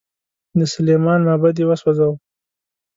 د سلیمان معبد یې وسوځاوه.